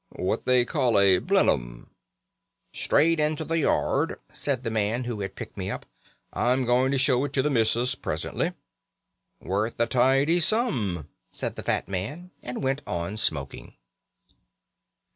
'What they call a "Blennum".' "'Strayed into the yard,' said the man who had picked me up. 'I'm going to show it to the missus presently.' "'Worth a tidy sum,' said the fat man, and went on smoking.